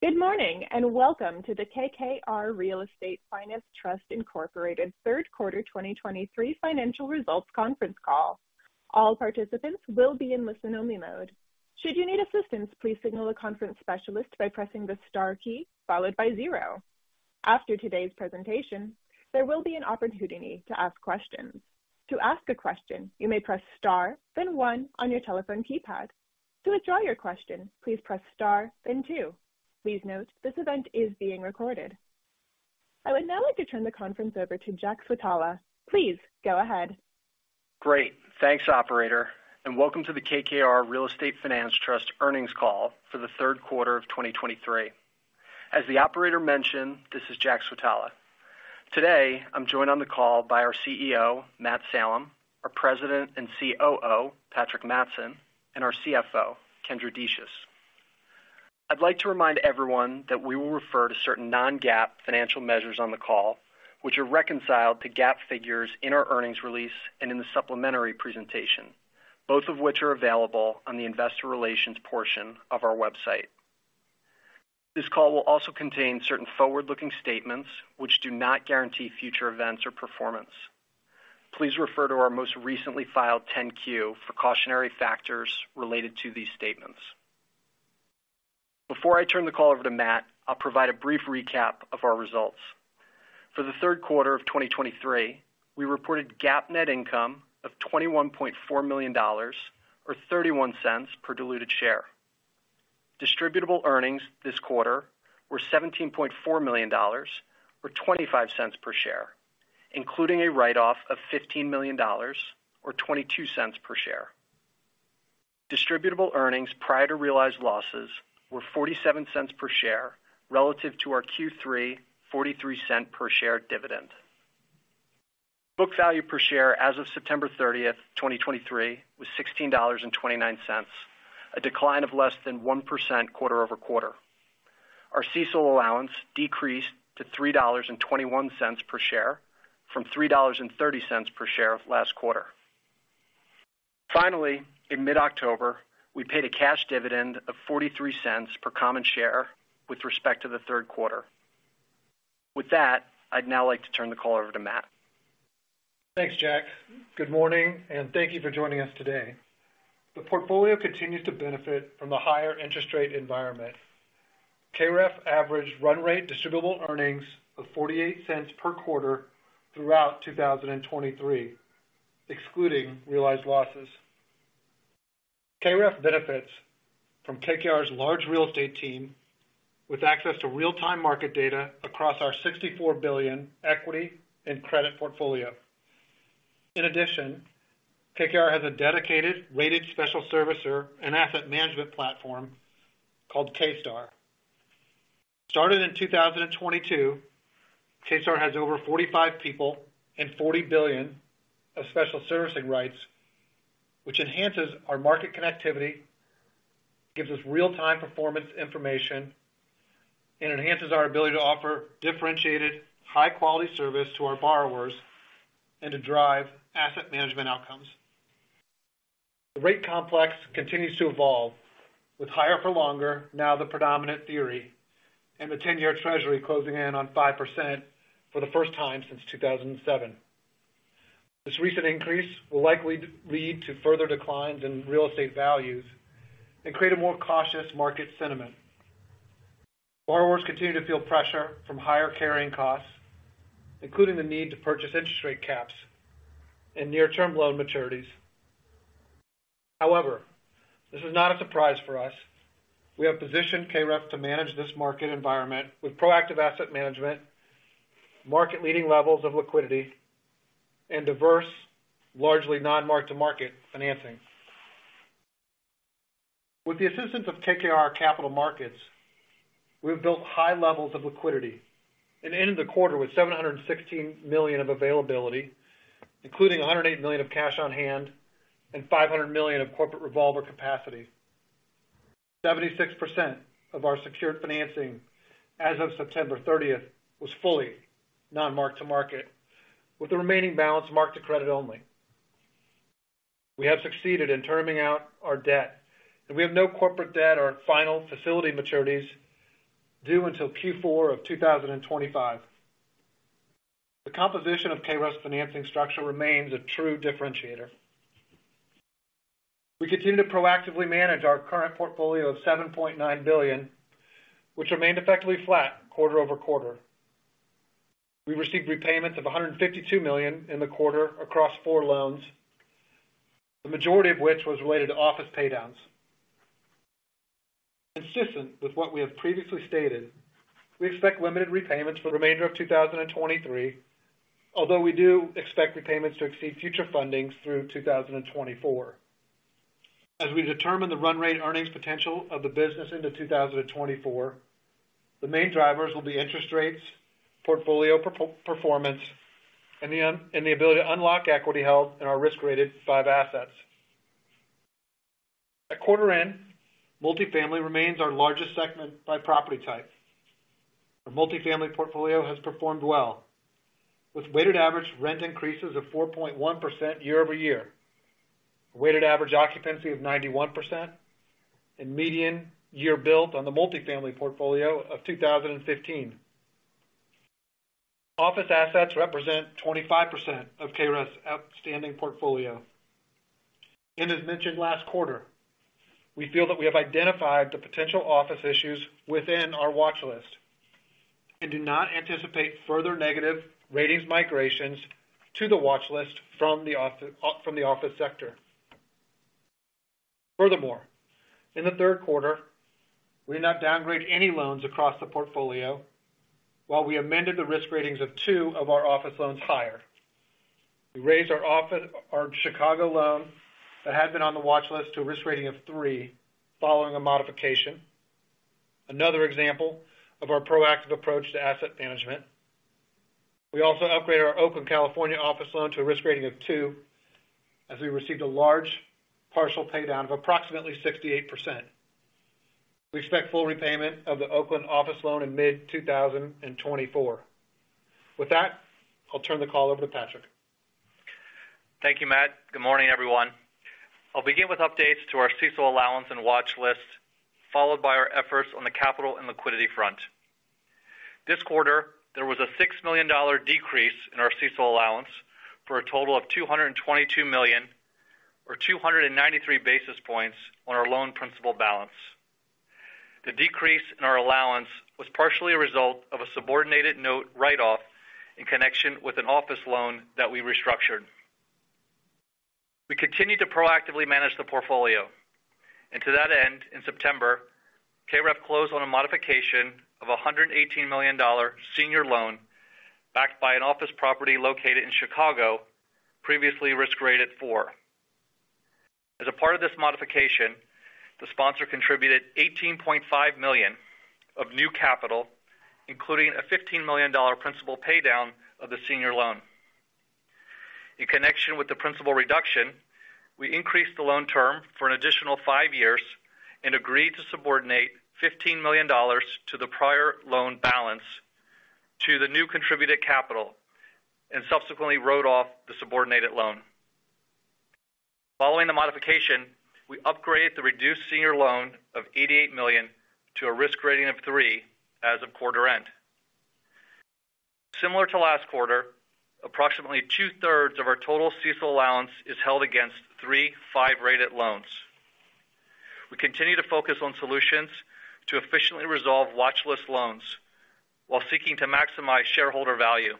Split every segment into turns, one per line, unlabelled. Good morning, and welcome to the KKR Real Estate Finance Trust Incorporated Q3 2023 financial results conference call. All participants will be in listen-only mode. Should you need assistance, please signal a conference specialist by pressing the star key followed by zero. After today's presentation, there will be an opportunity to ask questions. To ask a question, you may press star, then one on your telephone keypad. To withdraw your question, please press star, then two. Please note, this event is being recorded. I would now like to turn the conference over to Jack Switala. Please go ahead.
Great. Thanks, operator, and welcome to the KKR Real Estate Finance Trust earnings call for the Q3 of 2023. As the operator mentioned, this is Jack Switala. Today, I'm joined on the call by our CEO, Matt Salem, our President and COO, Patrick Mattson, and our CFO, Kendra Decious. I'd like to remind everyone that we will refer to certain non-GAAP financial measures on the call, which are reconciled to GAAP figures in our earnings release and in the supplementary presentation, both of which are available on the investor relations portion of our website. This call will also contain certain forward-looking statements which do not guarantee future events or performance. Please refer to our most recently filed 10-Q for cautionary factors related to these statements. Before I turn the call over to Matt, I'll provide a brief recap of our results. For the Q3 of 2023, we reported GAAP net income of $21.4 million or $0.31 per diluted share. Distributable earnings this quarter were $17.4 million or $0.25 per share, including a write-off of $15 million or $0.22 per share. Distributable earnings prior to realized losses were 47 cents per share relative to our Q3 $0.43 per share dividend. Book value per share as of September 30, 2023, was $16.29, a decline of less than 1% quarter-over-quarter. Our CECL allowance decreased to $3.21 per share from $3.30 per share last quarter. Finally, in mid-October, we paid a cash dividend of $0.43 cents per common share with respect to the Q3. With that, I'd now like to turn the call over to Matt.
Thanks, Jack. Good morning, and thank you for joining us today. The portfolio continues to benefit from the higher interest rate environment. KREF averaged run rate distributable earnings of $0.48 per quarter throughout 2023, excluding realized losses. KREF benefits from KKR's large real estate team, with access to real-time market data across our $64 billion equity and credit portfolio. In addition, KKR has a dedicated, rated special servicer and asset management platform called K-Star. Started in 2022, K-Star has over 45 people and $40 billion of special servicing rights, which enhances our market connectivity, gives us real-time performance information, and enhances our ability to offer differentiated, high-quality service to our borrowers and to drive asset management outcomes. The rate complex continues to evolve, with higher for longer now the predominant theory, and the 10-year treasury closing in on 5% for the first time since 2007. This recent increase will likely lead to further declines in real estate values and create a more cautious market sentiment. Borrowers continue to feel pressure from higher carrying costs, including the need to purchase interest rate caps and near-term loan maturities. However, this is not a surprise for us. We have positioned KREF to manage this market environment with proactive asset management, market-leading levels of liquidity, and diverse, largely non-mark-to-market financing. With the assistance of KKR Capital Markets, we've built high levels of liquidity and ended the quarter with $716 million of availability, including $108 million of cash on hand and $500 million of corporate revolver capacity. 76% of our secured financing as of September 30 was fully non-mark-to-market, with the remaining balance marked to credit only. We have succeeded in terming out our debt, and we have no corporate debt or final facility maturities due until Q4 of 2025. The composition of KREF's financing structure remains a true differentiator. We continue to proactively manage our current portfolio of $7.9 billion, which remained effectively flat quarter-over-quarter. We received repayments of $152 million in the quarter across four loans, the majority of which was related to office paydowns. Consistent with what we have previously stated, we expect limited repayments for the remainder of 2023, although we do expect repayments to exceed future fundings through 2024. As we determine the run rate earnings potential of the business into 2024, the main drivers will be interest rates, portfolio performance, and the ability to unlock equity held in our risk-rated five assets. At quarter end, multifamily remains our largest segment by property type. Our multifamily portfolio has performed well, with weighted average rent increases of 4.1% year-over-year, a weighted average occupancy of 91%, and median year built on the multifamily portfolio of 2015. Office assets represent 25% of KREF's outstanding portfolio. As mentioned last quarter, we feel that we have identified the potential office issues within our watch list and do not anticipate further negative ratings migrations to the watch list from the office sector. Furthermore, in the Q3, we did not downgrade any loans across the portfolio, while we amended the risk ratings of two of our office loans higher. We raised our office, our Chicago loan that had been on the watch list to a risk rating of 3 following a modification. Another example of our proactive approach to asset management. We also upgraded our Oakland, California, office loan to a risk rating of 2, as we received a large partial paydown of approximately 68%. We expect full repayment of the Oakland office loan in mid-2024. With that, I'll turn the call over to Patrick.
Thank you, Matt. Good morning, everyone. I'll begin with updates to our CECL allowance and watch list, followed by our efforts on the capital and liquidity front. This quarter, there was a $6 million decrease in our CECL allowance for a total of $222 million, or 293 basis points on our loan principal balance. The decrease in our allowance was partially a result of a subordinated note write-off in connection with an office loan that we restructured. We continued to proactively manage the portfolio, and to that end, in September, KREF closed on a modification of a $118 million senior loan backed by an office property located in Chicago, previously risk rated four. As a part of this modification, the sponsor contributed $18.5 million of new capital, including a $15 million principal paydown of the senior loan. In connection with the principal reduction, we increased the loan term for an additional 5 years and agreed to subordinate $15 million to the prior loan balance to the new contributed capital, and subsequently wrote off the subordinated loan. Following the modification, we upgraded the reduced senior loan of $88 million to a risk rating of 3 as of quarter end. Similar to last quarter, approximately two-thirds of our total CECL allowance is held against three 5-rated loans. We continue to focus on solutions to efficiently resolve watch list loans while seeking to maximize shareholder value.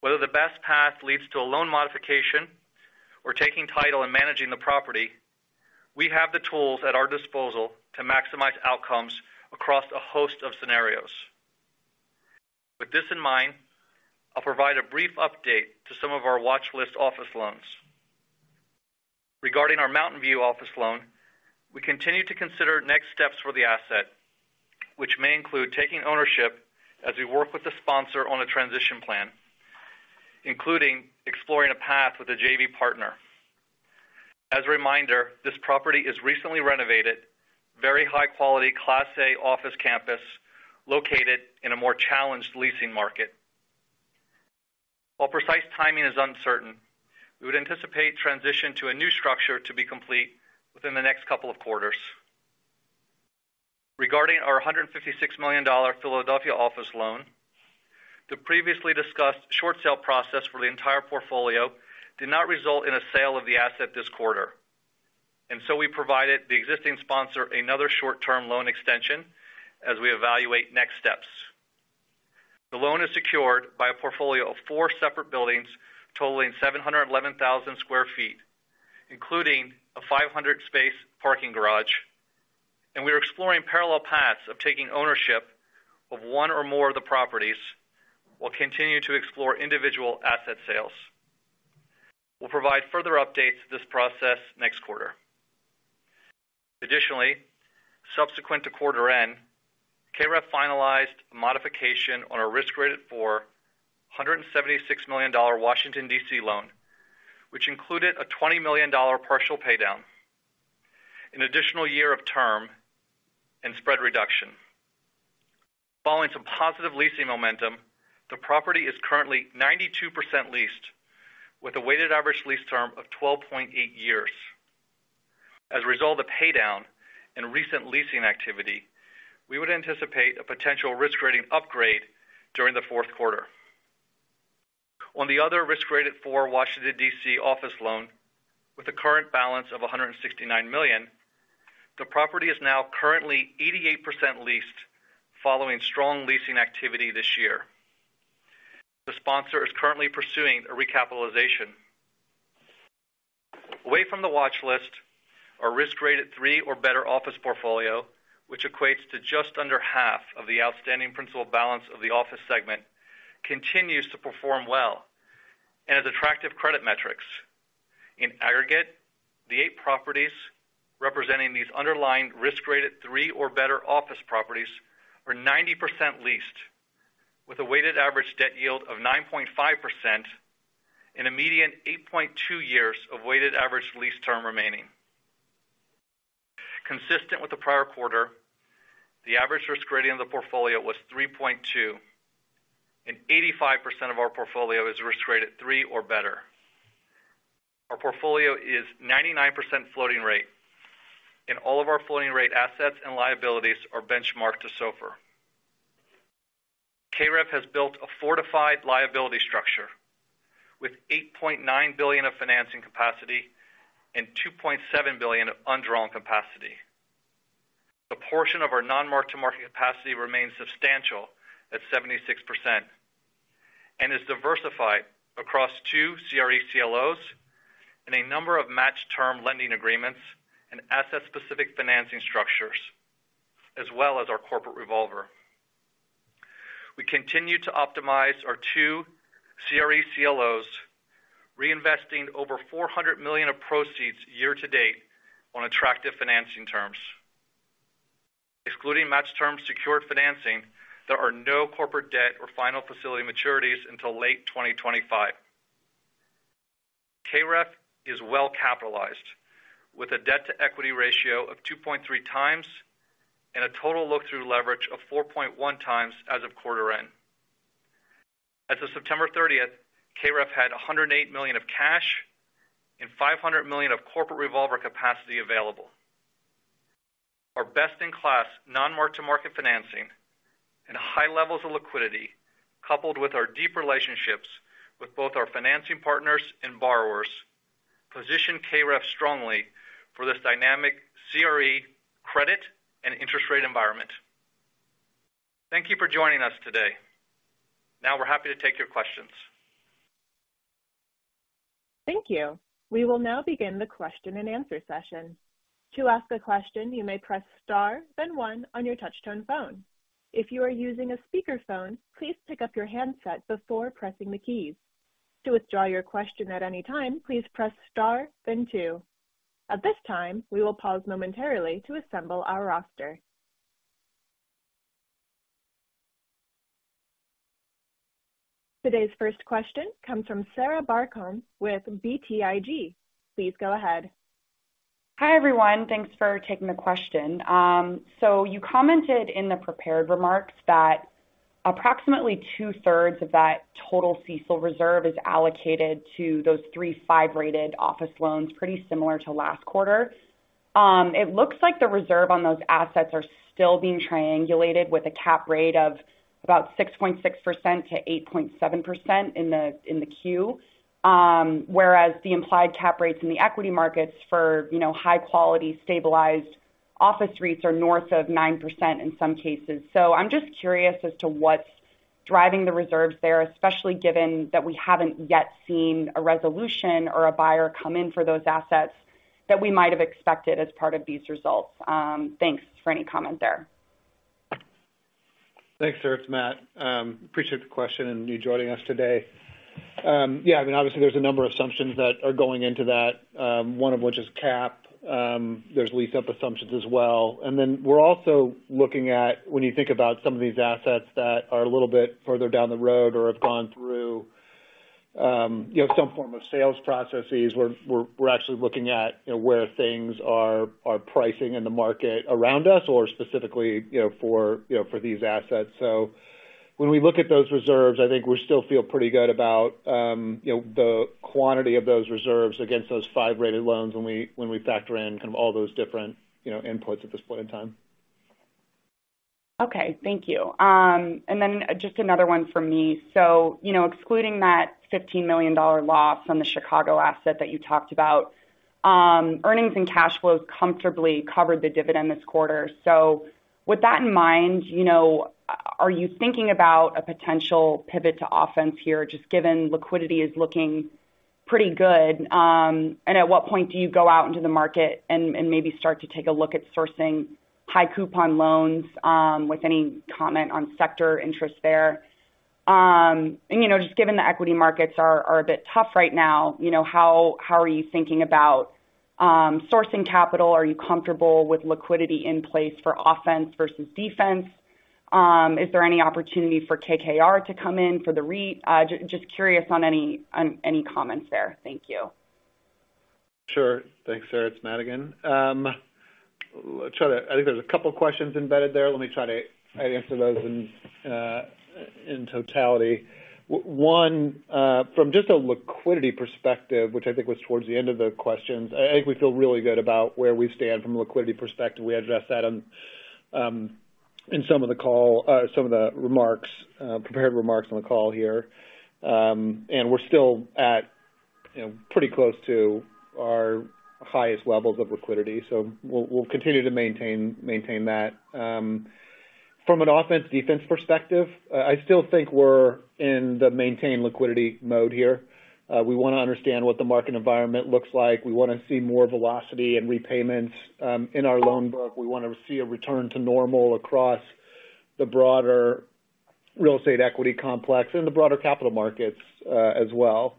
Whether the best path leads to a loan modification or taking title and managing the property, we have the tools at our disposal to maximize outcomes across a host of scenarios. With this in mind, I'll provide a brief update to some of our watch list office loans. Regarding our Mountain View office loan, we continue to consider next steps for the asset, which may include taking ownership as we work with the sponsor on a transition plan, including exploring a path with a JV partner. As a reminder, this property is recently renovated, very high quality, Class A office campus, located in a more challenged leasing market. While precise timing is uncertain, we would anticipate transition to a new structure to be complete within the next couple of quarters. Regarding our $156 million Philadelphia office loan, the previously discussed short sale process for the entire portfolio did not result in a sale of the asset this quarter. So we provided the existing sponsor another short-term loan extension as we evaluate next steps. The loan is secured by a portfolio of four separate buildings totaling 711,000 sq ft, including a 500-space parking garage. We are exploring parallel paths of taking ownership of one or more of the properties, while continuing to explore individual asset sales. We'll provide further updates to this process next quarter. Additionally, subsequent to quarter end, KREF finalized a modification on a risk-rated $476 million Washington, D.C. loan, which included a $20 million partial paydown, an additional year of term, and spread reduction. Following some positive leasing momentum, the property is currently 92% leased, with a weighted average lease term of 12.8 years. As a result of paydown and recent leasing activity, we would anticipate a potential risk rating upgrade during the Q4. On the other risk-rated four Washington, D.C., office loan, with a current balance of $169 million, the property is now currently 88% leased, following strong leasing activity this year. The sponsor is currently pursuing a recapitalization. Away from the watch list, our risk-rated three or better office portfolio, which equates to just under half of the outstanding principal balance of the office segment, continues to perform well and has attractive credit metrics. In aggregate, the eight properties representing these underlying risk-rated three or better office properties were 90% leased, with a weighted average debt yield of 9.5% and a median 8.2 years of weighted average lease term remaining. Consistent with the prior quarter, the average risk rating of the portfolio was 3.2, and 85% of our portfolio is risk-rated 3 or better. Our portfolio is 99% floating rate, and all of our floating rate assets and liabilities are benchmarked to SOFR. KREF has built a fortified liability structure with $8.9 billion of financing capacity and $2.7 billion of undrawn capacity. The portion of our non-mark-to-market capacity remains substantial at 76% and is diversified across 2 CRE CLOs and a number of matched-term lending agreements and asset-specific financing structures, as well as our corporate revolver. We continue to optimize our 2 CRE CLOs, reinvesting over $400 million of proceeds year-to-date on attractive financing terms. Excluding matched term secured financing, there are no corporate debt or final facility maturities until late 2025. KREF is well capitalized, with a debt-to-equity ratio of 2.3 times and a total look-through leverage of 4.1 times as of quarter end. As of September 30th, KREF had $108 million of cash and $500 million of corporate revolver capacity available. Our best-in-class, non-mark-to-market financing and high levels of liquidity, coupled with our deep relationships with both our financing partners and borrowers, position KREF strongly for this dynamic CRE credit and interest rate environment. Thank you for joining us today. Now we're happy to take your questions.
Thank you. We will now begin the question-and-answer session. To ask a question, you may press star, then one on your touchtone phone. If you are using a speakerphone, please pick up your handset before pressing the keys. To withdraw your question at any time, please press star, then two. At this time, we will pause momentarily to assemble our roster. Today's first question comes from Sarah Barcomb with BTIG. Please go ahead.
Hi, everyone. Thanks for taking the question. So you commented in the prepared remarks that approximately two-thirds of that total CECL reserve is allocated to those three 5-rated office loans, pretty similar to last quarter. It looks like the reserve on those assets are still being triangulated with a cap rate of about 6.6%-8.7% in the 10-Q. Whereas the implied cap rates in the equity markets for, you know, high-quality, stabilized office rates are north of 9% in some cases. So I'm just curious as to what's driving the reserves there, especially given that we haven't yet seen a resolution or a buyer come in for those assets that we might have expected as part of these results. Thanks for any comment there.
Thanks, Sarah. It's Matt. Appreciate the question and you joining us today. Yeah, I mean, obviously, there's a number of assumptions that are going into that, one of which is cap. There's lease-up assumptions as well. Then we're also looking at when you think about some of these assets that are a little bit further down the road or have gone through, you know, some form of sales processes, we're actually looking at, you know, where things are pricing in the market around us or specifically, you know, for these assets. So when we look at those reserves, I think we still feel pretty good about, you know, the quantity of those reserves against those 5-rated loans when we factor in kind of all those different, you know, inputs at this point in time.
Okay, thank you. And then just another one from me. So, you know, excluding that $15 million loss on the Chicago asset that you talked about, earnings and cash flows comfortably covered the dividend this quarter. So with that in mind, you know, are you thinking about a potential pivot to offense here, just given liquidity is looking pretty good? At what point do you go out into the market and, maybe start to take a look at sourcing high coupon loans, with any comment on sector interest there? And, you know, just given the equity markets are, are a bit tough right now, you know, how, how are you thinking about, sourcing capital? Are you comfortable with liquidity in place for offense versus defense? Is there any opportunity for KKR to come in for the REIT? Just curious on any comments there? Thank you.
Sure. Thanks, Sarah. It's Matt again. Let's try to—I think there's a couple questions embedded there. Let me try to answer those in totality. One, from just a liquidity perspective, which I think was towards the end of the questions, I think we feel really good about where we stand from a liquidity perspective. We addressed that in some of the call, some of the remarks, prepared remarks on the call here. We're still at, you know, pretty close to our highest levels of liquidity, so we'll continue to maintain that. From an offense-defense perspective, I still think we're in the maintain liquidity mode here. We want to understand what the market environment looks like. We want to see more velocity and repayments in our loan book. We wanna see a return to normal across the broader real estate equity complex and the broader capital markets, as well.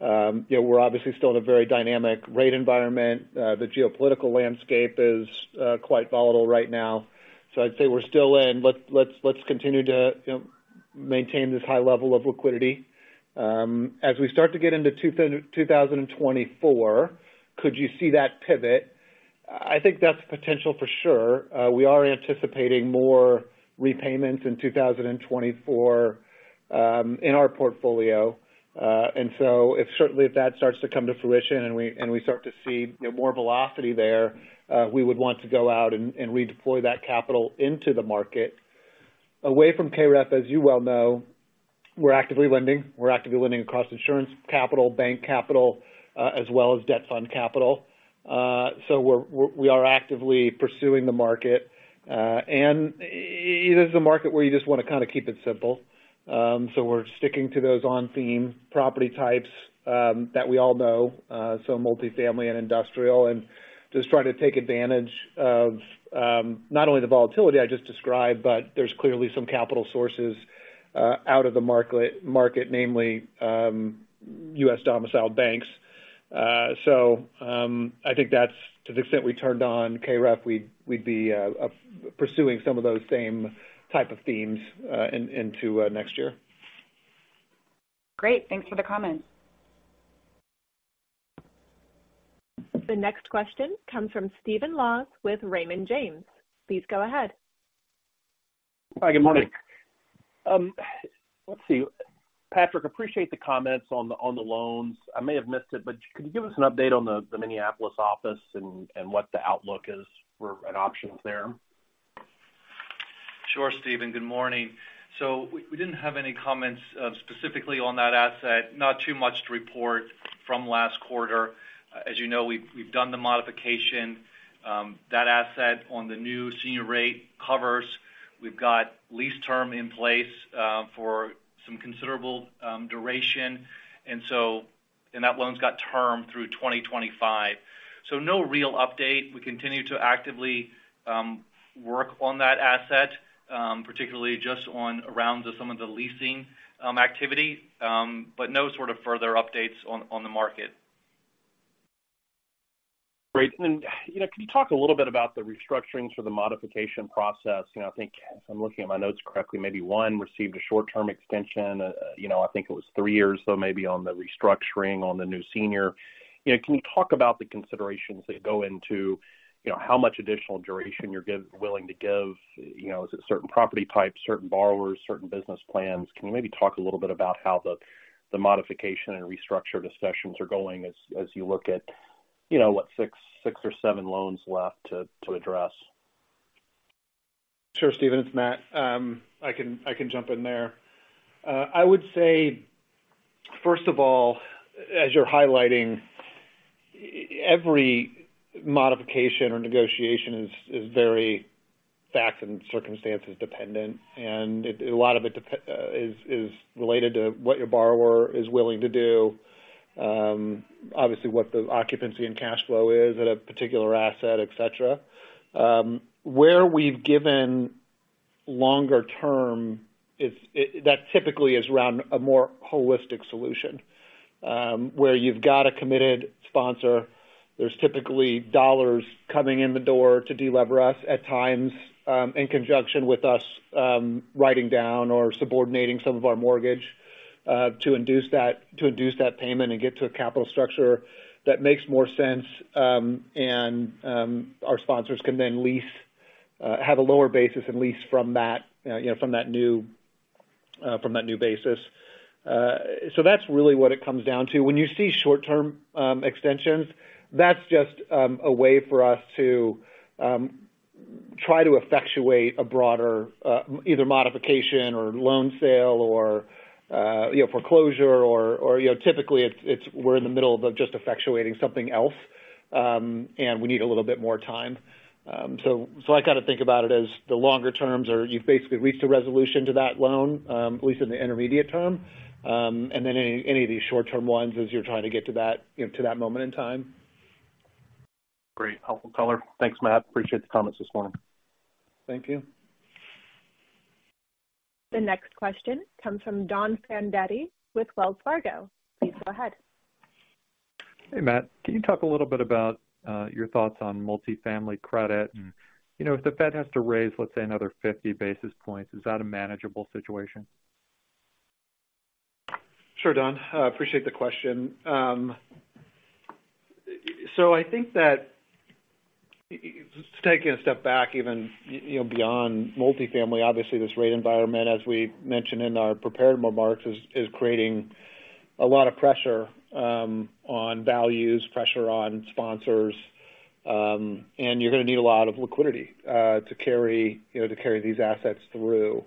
You know, we're obviously still in a very dynamic rate environment. The geopolitical landscape is quite volatile right now. So I'd say we're still in. Let's continue to, you know maintain this high level of liquidity. As we start to get into 2024, could you see that pivot? I think that's potential for sure. We are anticipating more repayments in 2024, in our portfolio. If certainly, if that starts to come to fruition, and we start to see, you know, more velocity there, we would want to go out and, and redeploy that capital into the market. Away from KREF, as you well know, we're actively lending. We're actively lending across insurance capital, bank capital, as well as debt fund capital. So we are actively pursuing the market. And it is a market where you just want to kind of keep it simple. So we're sticking to those on-theme property types, that we all know, so multifamily and industrial, and just trying to take advantage of, not only the volatility I just described, but there's clearly some capital sources, out of the market, namely, U.S.-domiciled banks. So, I think that's to the extent we turned on CRE, we'd be pursuing some of those same type of themes, into next year.
Great. Thanks for the comments.
The next question comes from Stephen Laws with Raymond James. Please go ahead.
Hi, good morning. Let's see. Patrick, appreciate the comments on the loans. I may have missed it, but could you give us an update on the Minneapolis office and what the outlook is for any options there?
Sure, Stephen. Good morning. So we didn't have any comments specifically on that asset. Not too much to report from last quarter. As you know, we've done the modification. That asset on the new senior rate covers, we've got lease term in place for some considerable duration. So that loan's got term through 2025. So no real update. We continue to actively work on that asset, particularly just on around some of the leasing activity, but no sort of further updates on the market.
Great. And, you know, can you talk a little bit about the restructurings for the modification process? You know, I think if I'm looking at my notes correctly, maybe one received a short-term extension, you know, I think it was 3 years, though, maybe on the restructuring on the new senior. You know, can you talk about the considerations that go into, you know, how much additional duration you're willing to give? You know, is it certain property types, certain borrowers, certain business plans? Can you maybe talk a little bit about how the, the modification and restructure discussions are going as, as you look at, you know, what, 6 or 7 loans left to address?
Sure, Steven, it's Matt. I can jump in there. I would say, first of all, as you're highlighting, every modification or negotiation is very facts and circumstances dependent, and a lot of itis related to what your borrower is willing to do, obviously, what the occupancy and cash flow is at a particular asset, et cetera. Where we've given longer term is, that typically is around a more holistic solution, where you've got a committed sponsor. There's typically dollars coming in the door to delever us at times, in conjunction with us, writing down or subordinating some of our mortgage, to induce that payment and get to a capital structure that makes more sense. Our sponsors can then lease-- have a lower basis and lease from that, you know, from that new basis. That's really what it comes down to. When you see short-term extensions, that's just a way for us to try to effectuate a broader, either modification or loan sale or, you know, foreclosure or, you know, typically, it's we're in the middle of just effectuating something else, and we need a little bit more time. I kind of think about it as the longer terms are you've basically reached a resolution to that loan, at least in the intermediate term, and then any of these short-term ones as you're trying to get to that, you know, to that moment in time.
Great. Helpful color. Thanks, Matt. Appreciate the comments this morning.
Thank you.
The next question comes from Don Fandetti with Wells Fargo. Please go ahead.
Hey, Matt. Can you talk a little bit about your thoughts on multifamily credit? And, you know, if the Fed has to raise, let's say, another 50 basis points, is that a manageable situation?
Sure, Don. I appreciate the question. So I think that, just taking a step back, even, you know, beyond multifamily, obviously, this rate environment, as we mentioned in our prepared remarks, is creating a lot of pressure on values, pressure on sponsors, and you're going to need a lot of liquidity to carry, you know, to carry these assets through.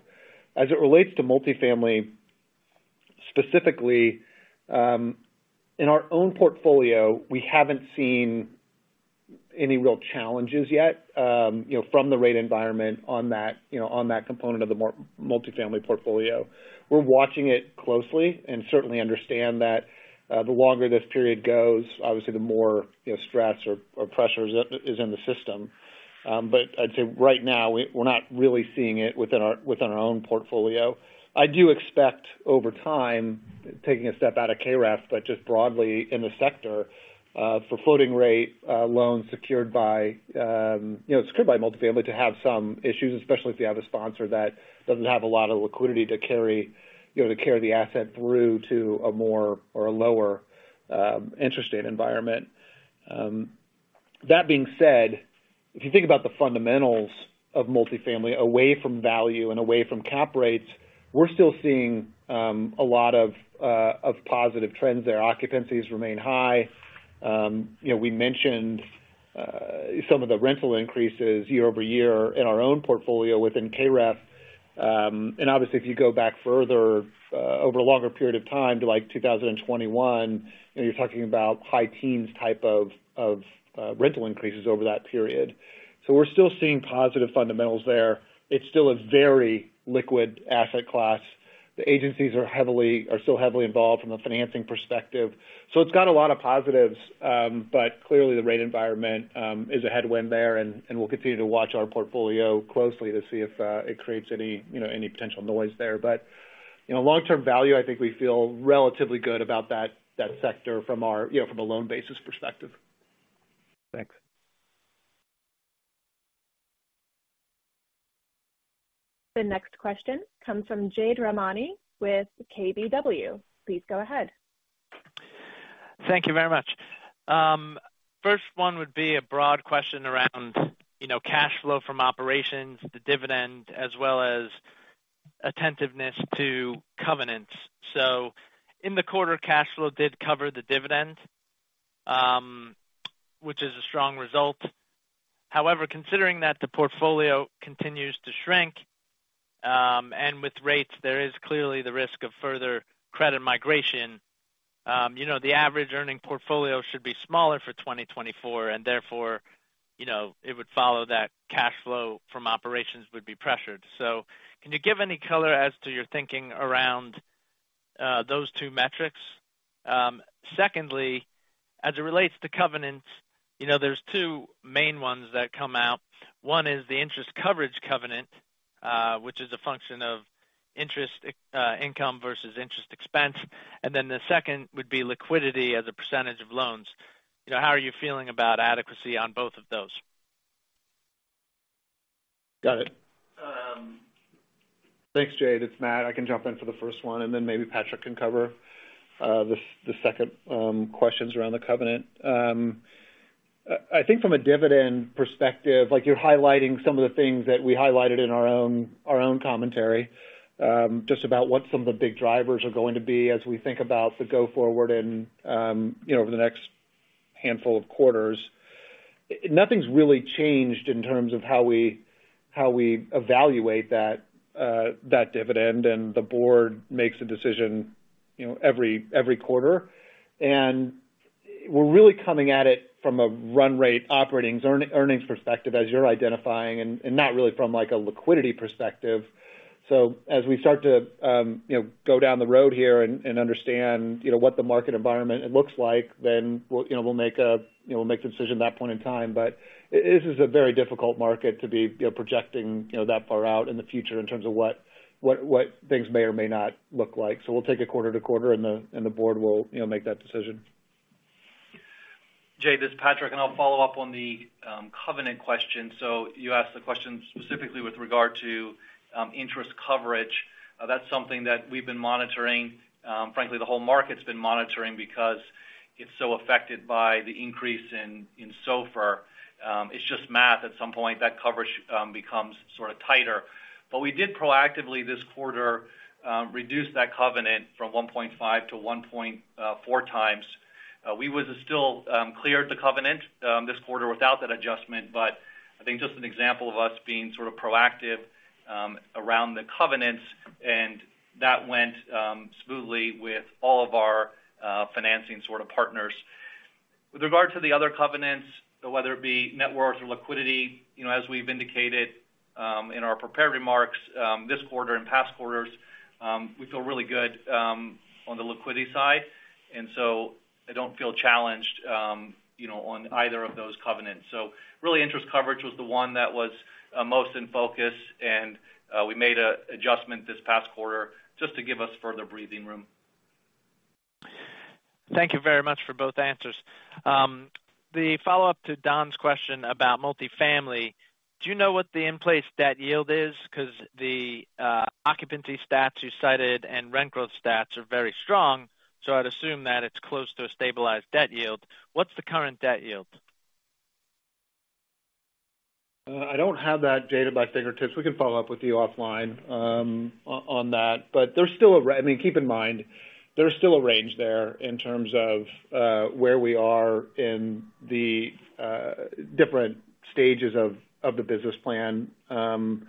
As it relates to multifamily, specifically, in our own portfolio, we haven't seen any real challenges yet, you know, from the rate environment on that, you know, on that component of the multifamily portfolio. We're watching it closely and certainly understand that the longer this period goes, obviously the more, you know, stress or pressures is in the system. But I'd say right now, we're not really seeing it within our own portfolio. I do expect over time, taking a step out of KREF, but just broadly in the sector, for floating rate loans secured by, you know, secured by multifamily to have some issues, especially if you have a sponsor that doesn't have a lot of liquidity to the asset through to a more or a lower interest rate environment. That being said, if you think about the fundamentals of multifamily away from value and away from cap rates, we're still seeing a lot of positive trends there. Occupancies remain high. You know, we mentioned some of the rental increases year-over-year in our own portfolio within KREF. Obviously, if you go back further, over a longer period of time to, like, 2021, and you're talking about high teens type of rental increases over that period. So we're still seeing positive fundamentals there. It's still a very liquid asset class. The agencies are heavily involved from a financing perspective. So it's got a lot of positives, but clearly, the rate environment is a headwind there, and we'll continue to watch our portfolio closely to see if it creates any, you know, any potential noise there. But, you know, long-term value, I think we feel relatively good about that sector from our, you know, from a loan basis perspective.
Thanks.
The next question comes from Jade Rahmani with KBW. Please go ahead.
Thank you very much. First one would be a broad question around, you know, cash flow from operations, the dividend, as well as attentiveness to covenants. So in the quarter, cash flow did cover the dividend, which is a strong result. However, considering that the portfolio continues to shrink, and with rates, there is clearly the risk of further credit migration. You know, the average earning portfolio should be smaller for 2024, and therefore, you know, it would follow that cash flow from operations would be pressured. So can you give any color as to your thinking around those two metrics? Secondly, as it relates to covenants, you know, there's two main ones that come out. One is the interest coverage covenant, which is a function of interest income versus interest expense, and then the second would be liquidity as a percentage of loans. You know, how are you feeling about adequacy on both of those?
Got it. Thanks, Jade. It's Matt. I can jump in for the first one, and then maybe Patrick can cover the second questions around the covenant. I think from a dividend perspective, like, you're highlighting some of the things that we highlighted in our own, our own commentary, just about what some of the big drivers are going to be as we think about the go forward and, you know, over the next handful of quarters. Nothing's really changed in terms of how we evaluate that dividend, and the board makes a decision, you know, every quarter. We're really coming at it from a run rate, operating earnings perspective, as you're identifying, and not really from, like, a liquidity perspective. So as we start to, you know, go down the road here and understand, you know, what the market environment it looks like, then we'll, you know, make the decision at that point in time. But this is a very difficult market to be, you know, projecting, you know, that far out in the future in terms of what things may or may not look like. So we'll take it quarter to quarter, and the board will, you know, make that decision.
Jade, this is Patrick, and I'll follow up on the covenant question. So you asked the question specifically with regard to interest coverage. That's something that we've been monitoring, frankly, the whole market's been monitoring because it's so affected by the increase in SOFR. It's just math. At some point, that coverage becomes sort of tighter. But we did proactively, this quarter, reduce that covenant from 1.5 to 1.4 times. We would have still cleared the covenant this quarter without that adjustment, but I think just an example of us being sort of proactive around the covenants, and that went smoothly with all of our financing sort of partners. With regard to the other covenants, whether it be net worth or liquidity, you know, as we've indicated, in our prepared remarks, this quarter and past quarters, we feel really good, on the liquidity side, and so I don't feel challenged, you know, on either of those covenants. So really, interest coverage was the one that was most in focus, and we made an adjustment this past quarter just to give us further breathing room.
Thank you very much for both answers. The follow-up to Don's question about multifamily, do you know what the in-place debt yield is? Because the occupancy stats you cited and rent growth stats are very strong, so I'd assume that it's close to a stabilized debt yield. What's the current debt yield?
I don't have that data at my fingertips. We can follow up with you offline on that. But there's still a—I mean, keep in mind, there's still a range there in terms of where we are in the different stages of the business plan. You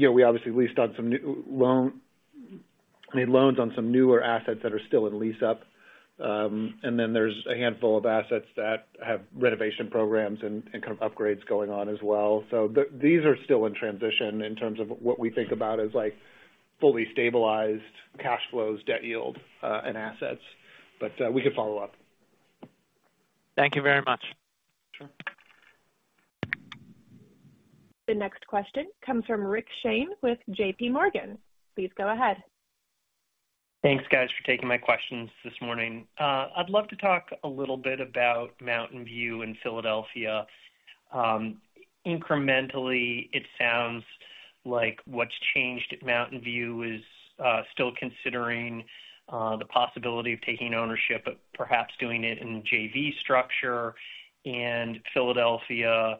know, we obviously made loans on some newer assets that are still in lease-up. And then there's a handful of assets that have renovation programs and kind of upgrades going on as well. So these are still in transition in terms of what we think about as, like, fully stabilized cash flows, debt yield, and assets. But we can follow up.
Thank you very much.
Sure.
The next question comes from Rick Shane with JPMorgan. Please go ahead.
Thanks, guys, for taking my questions this morning. I'd love to talk a little bit about Mountain View in Philadelphia. Incrementally, it sounds like what's changed at Mountain View is still considering the possibility of taking ownership, but perhaps doing it in JV structure. And Philadelphia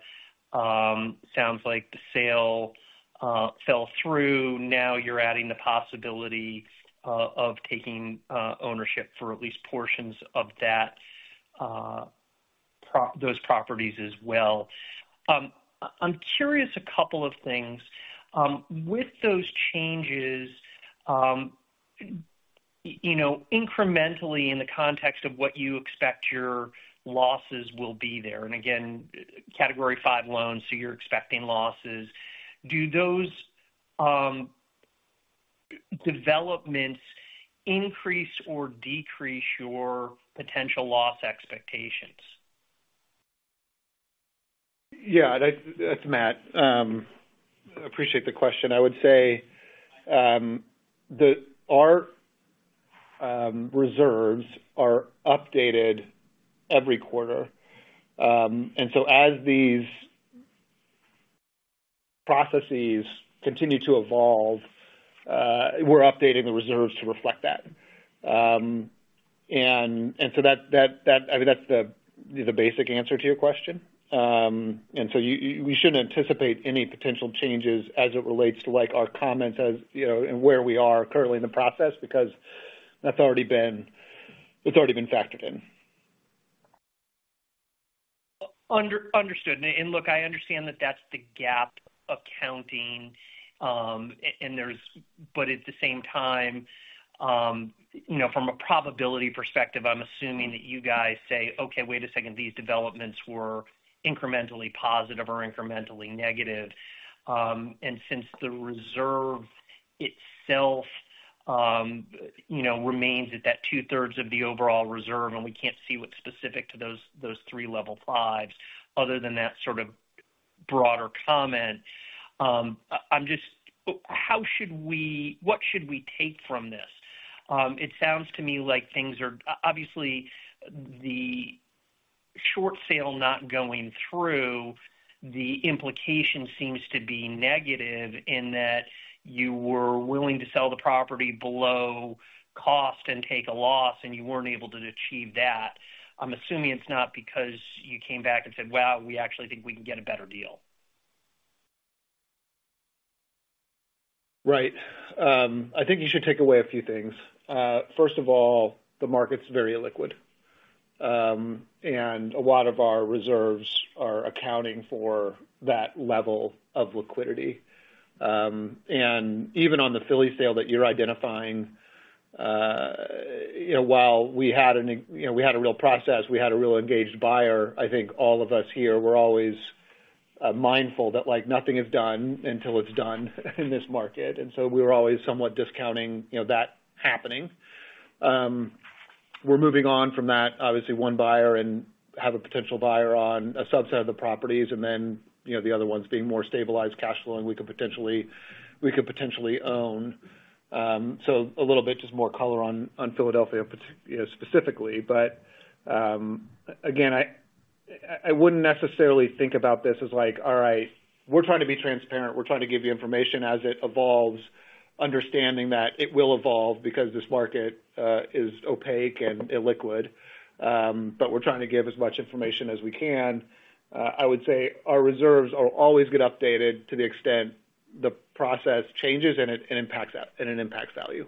sounds like the sale fell through. Now you're adding the possibility of taking ownership for at least portions of that, those properties as well. I'm curious a couple of things. With those changes, you know, incrementally in the context of what you expect your losses will be there, and again, Category Five loans, so you're expecting losses. Do those developments increase or decrease your potential loss expectations?
Yeah, that's Matt. Appreciate the question. I would say the reserves are updated every quarter, and as these processes continue to evolve, we're updating the reserves to reflect that. I mean, that's the basic answer to your question. You shouldn't anticipate any potential changes as it relates to, like, our comments as, you know, and where we are currently in the process, because, it's already been factored in.
Understood. Look, I understand that that's the GAAP accounting, and there's... At the same time, you know, from a probability perspective, I'm assuming that you guys say, okay, wait a second, these developments were incrementally positive or incrementally negative. Since the reserve itself, you know, remains at that two-thirds of the overall reserve, and we can't see what's specific to those, those three level fives, other than that sort of broader comment, I'm just—how should we—what should we take from this? It sounds to me like things are—obviously, the short sale not going through, the implication seems to be negative in that you were willing to sell the property below cost and take a loss, and you weren't able to achieve that. I'm assuming it's not because you came back and said, well, we actually think we can get a better deal.
Right. I think you should take away a few things. First of all, the market's very illiquid, and a lot of our reserves are accounting for that level of liquidity. Even on the Philly sale that you're identifying, you know, while we had a real process, we had a real engaged buyer, I think all of us here were always mindful that, like, nothing is done until it's done in this market. We were always somewhat discounting, you know, that happening. We're moving on from that, obviously one buyer and have a potential buyer on a subset of the properties, and then, you know, the other ones being more stabilized cash flow, and we could potentially own. A little bit just more color on Philadelphia, you know, specifically. But, again, I wouldn't necessarily think about this as like, all right, we're trying to be transparent. We're trying to give you information as it evolves, understanding that it will evolve because this market is opaque and illiquid. But we're trying to give as much information as we can. I would say our reserves are always get updated to the extent the process changes and it impacts that, and it impacts value.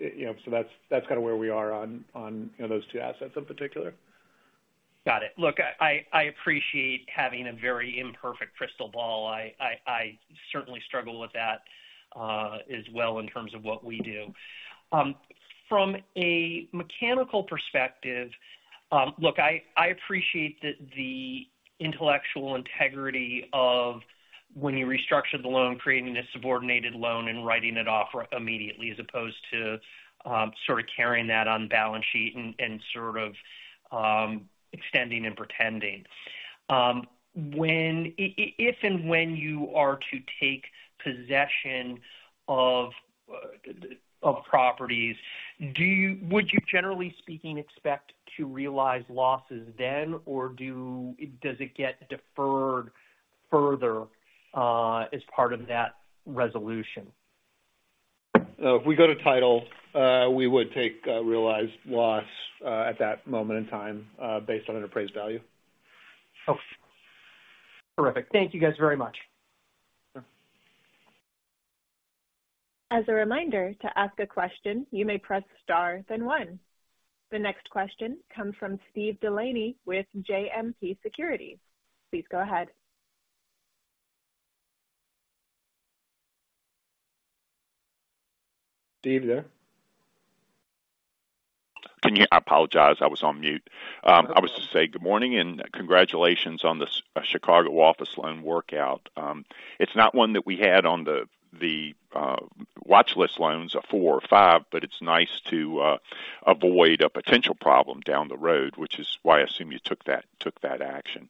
You know, so that's kind of where we are on you know, those two assets in particular.
Got it. Look, I appreciate having a very imperfect crystal ball. I certainly struggle with that as well in terms of what we do. From a mechanical perspective, look, I appreciate the intellectual integrity of when you restructured the loan, creating a subordinated loan and writing it off immediately, as opposed to sort of carrying that on balance sheet and sort of extending and pretending. If and when you are to take possession of properties, would you, generally speaking, expect to realize losses then, or does it get deferred further as part of that resolution?
If we go to title, we would take a realized loss at that moment in time based on an appraised value.
Okay. Terrific. Thank you, guys, very much.
Sure.
As a reminder, to ask a question, you may press star, then one. The next question comes from Steve Delaney with JMP Securities. Please go ahead.
Steve, you there?
I apologize, I was on mute. I was to say good morning, and congratulations on the Chicago office loan workout. It's not one that we had on the watch list loans, a 4 or 5, but it's nice to avoid a potential problem down the road, which is why I assume you took that action.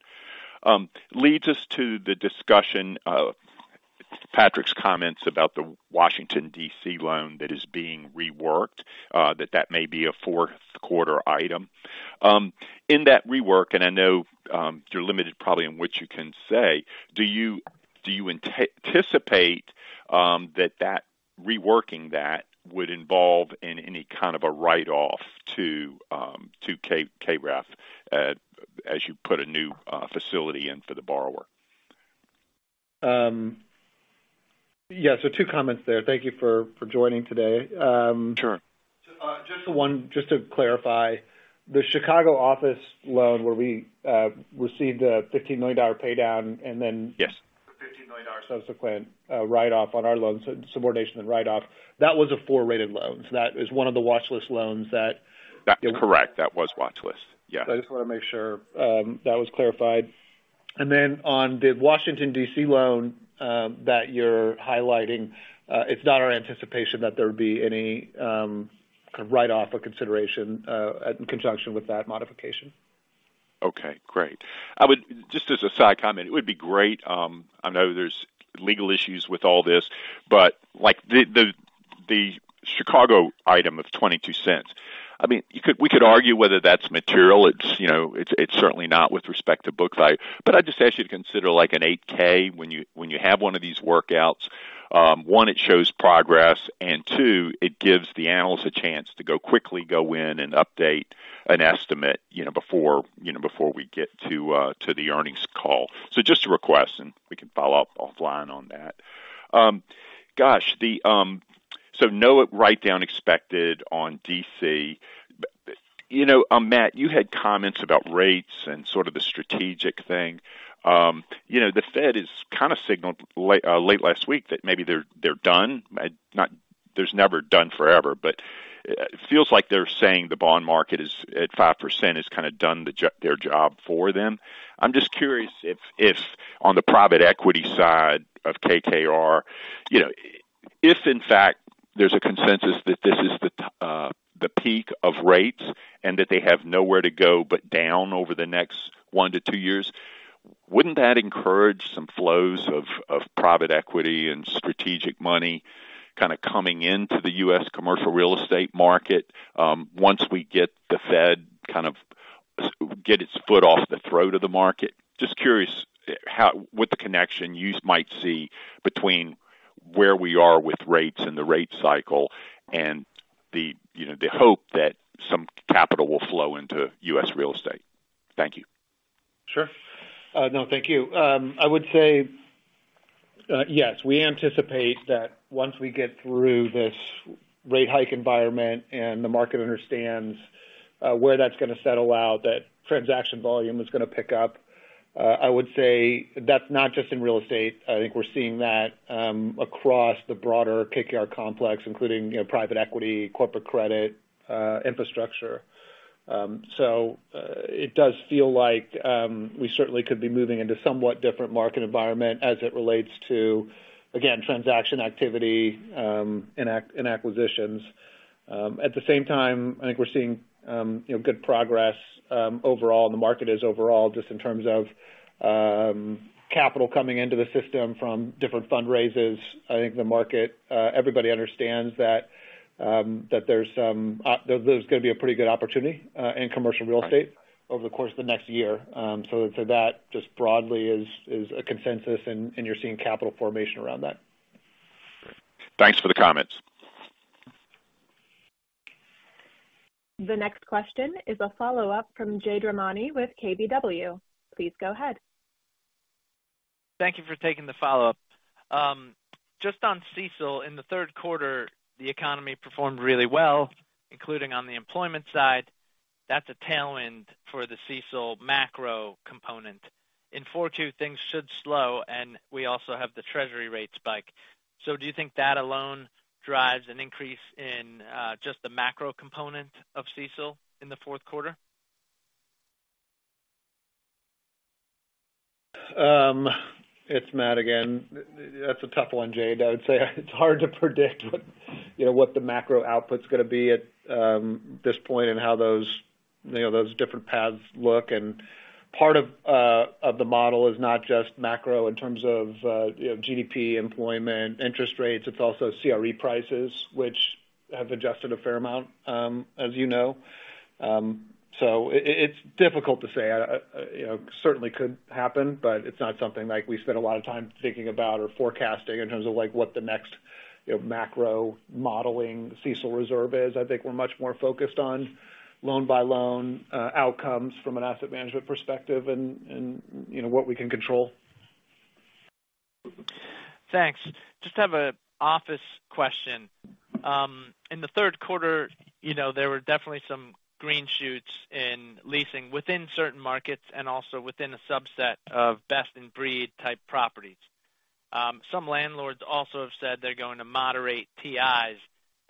Leads us to the discussion of Patrick's comments about the Washington, D.C. loan that is being reworked, that may be a Q4 item. In that rework, and I know you're limited probably in what you can say, do you anticipate that reworking that would involve any kind of a write-off to KREF, as you put a new facility in for the borrower?
Yeah, so two comments there. Thank you for, for joining today.
Sure.
Just the one, just to clarify, the Chicago office loan where we received a $15 million pay down, and then a $15 million subsequent write-off on our loans, subordination and write-off. That was a 4-rated loan. So that is one of the watchlist loans that—
That's correct. That was watch list. Yeah.
So I just want to make sure, that was clarified. Then on the Washington, D.C. loan, that you're highlighting, it's not our anticipation that there would be any, kind of write-off or consideration, in conjunction with that modification.
Okay, great. I would, just as a side comment, it would be great, I know there's legal issues with all this, but, like, the the Chicago item of $0.22, I mean, you could, we could argue whether that's material. It's, you know, it's certainly not with respect to book value. I just ask you to consider like an 8-K when you have one of these workouts. One, it shows progress, and two, it gives the analysts a chance to quickly go in and update an estimate, you know, before we get to the earnings call. Just a request, and we can follow up offline on that. Gosh, the, so no write-down expected on D.C. You know, Matt, you had comments about rates and sort of the strategic thing. You know, the Fed is kind of signaled late last week that maybe they're, they're done. Not that they're done forever, but it feels like they're saying the bond market is at 5%, has kind of done their job for them. I'm just curious if, on the private equity side of KKR, you know, if in fact there's a consensus that this is the peak of rates and that they have nowhere to go but down over the next 1-2 years, wouldn't that encourage some flows of private equity and strategic money kind of coming into the U.S. commercial real estate market, once we get the Fed kind of get its foot off the throat of the market? Just curious what the connection you might see between where we are with rates and the rate cycle and the, you know, the hope that some capital will flow into U.S. real estate. Thank you.
Sure. No, thank you. I would say yes, we anticipate that once we get through this rate hike environment and the market understands where that's going to settle out, that transaction volume is going to pick up. I would say that's not just in real estate. I think we're seeing that across the broader KKR complex, including, you know, private equity, corporate credit, infrastructure. So it does feel like we certainly could be moving into somewhat different market environment as it relates to, again, transaction activity and acquisitions. At the same time, I think we're seeing, you know, good progress overall, and the market is overall just in terms of capital coming into the system from different fundraisers. I think the market, everybody understands that there's going to be a pretty good opportunity in commercial real estate over the course of the next year.
Right.
So for that, just broadly is a consensus and you're seeing capital formation around that.
Thanks for the comments.
The next question is a follow-up from Jade Rahmani with KBW. Please go ahead.
Thank you for taking the follow-up. Just on CECL, in the Q3, the economy performed really well, including on the employment side. That's a tailwind for the CECL macro component. In 2022, things should slow, and we also have the treasury rate spike. So do you think that alone drives an increase in just the macro component of CECL in the Q4?
It's Matt again. That's a tough one, Jade. I would say it's hard to predict, you know, what the macro output's going to be at this point and how those, you know, those different paths look. And part of the model is not just macro in terms of, you know, GDP, employment, interest rates. It's also CRE prices, which have adjusted a fair amount, as you know. So it's difficult to say. You know, certainly could happen, but it's not something like we spend a lot of time thinking about or forecasting in terms of like, what the next, you know, macro modeling CECL reserve is. I think we're much more focused on loan-by-loan outcomes from an asset management perspective and, you know, what we can control.
Thanks. Just have an office question. In the Q3, you know, there were definitely some green shoots in leasing within certain markets and also within a subset of best in breed type properties... Some landlords also have said they're going to moderate TIs,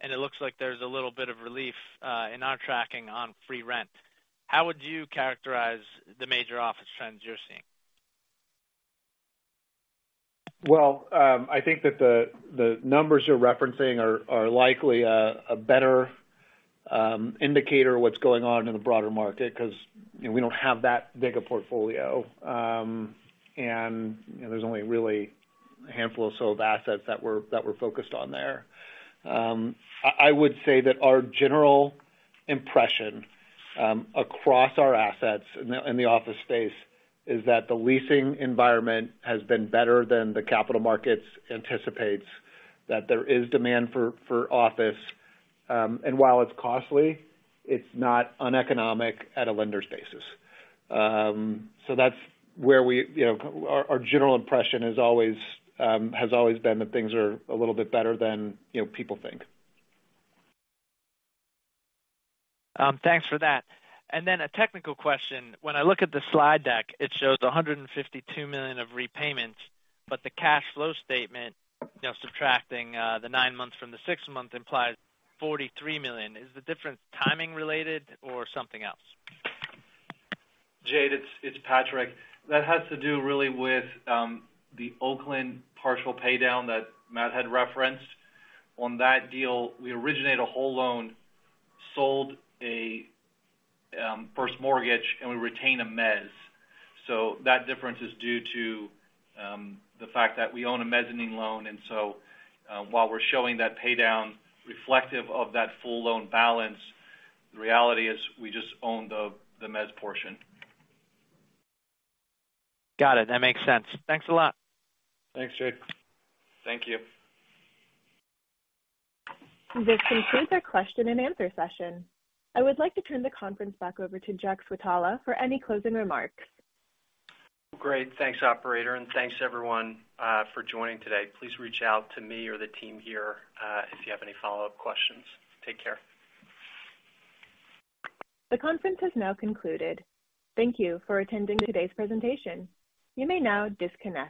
and it looks like there's a little bit of relief in our tracking on free rent. How would you characterize the major office trends you're seeing?
Well, I think that the numbers you're referencing are likely a better indicator of what's going on in the broader market, because, you know, we don't have that big a portfolio. You know, there's only really a handful or so of assets that we're focused on there. I would say that our general impression across our assets in the office space is that the leasing environment has been better than the capital markets anticipates, that there is demand for office. While it's costly, it's not uneconomic at a lender's basis. So that's where we—you know, our general impression has always been that things are a little bit better than, you know, people think.
Thanks for that. And then a technical question: When I look at the slide deck, it shows $152 million of repayments, but the cash flow statement, you know, subtracting the nine months from the six months, implies $43 million. Is the difference timing related or something else?
Jade, it's Patrick. That has to do really with the Oakland partial paydown that Matt had referenced. On that deal, we originated a whole loan, sold a first mortgage, and we retained a mezz. So that difference is due to the fact that we own a mezzanine loan, and so while we're showing that paydown reflective of that full loan balance, the reality is we just own the mezz portion.
Got it. That makes sense. Thanks a lot.
Thanks, Jade.
Thank you.
This concludes our question and answer session. I would like to turn the conference back over to Jack Switala for any closing remarks.
Great. Thanks, operator, and thanks, everyone, for joining today. Please reach out to me or the team here, if you have any follow-up questions. Take care.
The conference has now concluded. Thank you for attending today's presentation. You may now disconnect.